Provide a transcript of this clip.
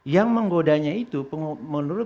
memang godanya itu menurut